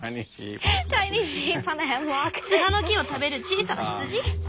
ツガの木を食べる小さな羊？